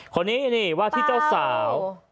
คนนี้วาทิเจ้าสาว